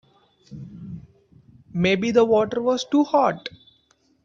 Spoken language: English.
Maybe the water was too hot.